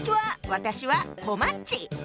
私はこまっち。